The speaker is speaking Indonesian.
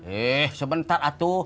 eh sebentar atu